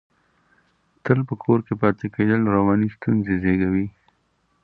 تل په کور کې پاتې کېدل، رواني ستونزې زېږوي.